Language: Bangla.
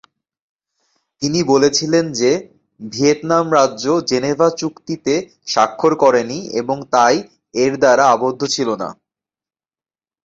তিনি বলেছিলেন যে ভিয়েতনাম রাজ্য জেনেভা চুক্তিতে স্বাক্ষর করেনি এবং তাই এর দ্বারা আবদ্ধ ছিল না।